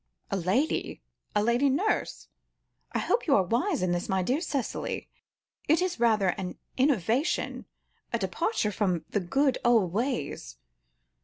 "A lady? A lady nurse? I hope you are wise in this, my dear Cicely; it is rather an innovation, a departure from the good old ways.